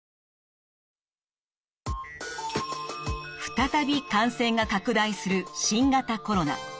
再び感染が拡大する新型コロナ。